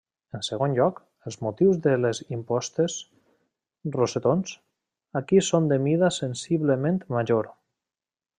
En segon lloc, els motius de les impostes -rosetons- aquí són de mida sensiblement major.